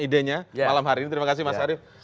idenya malam hari ini terima kasih mas arief